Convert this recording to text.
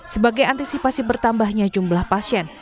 sebagai antisipasi bertambahnya jumlah pasien